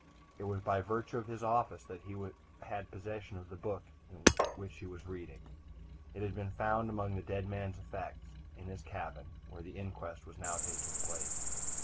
It was by virtue of his office that he had possession of the book in which he was reading; it had been found among the dead man's effects in his cabin, where the inquest was now taking place.